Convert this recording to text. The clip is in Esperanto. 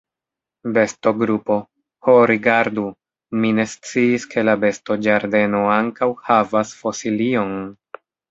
Bestogrupo: "Ho rigardu! Mi ne sciis ke la bestoĝardeno ankaŭ havas fosilion!"